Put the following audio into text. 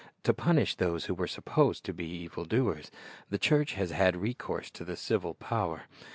To punish those who were supposed to be evdl doers, the church has had recourse to the civil power.